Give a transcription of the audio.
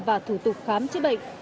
và thủ tục khám chế bệnh